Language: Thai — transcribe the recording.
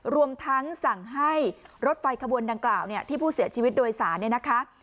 รวมทั้งสั่งให้รถไฟขบวนดังกล่าวที่ผู้เสียชีวิตโดยสารเนี่ยนะคะ